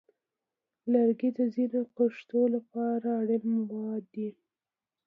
لرګي د ځینو کښتو لپاره اړین مواد دي.